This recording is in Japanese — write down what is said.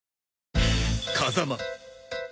風間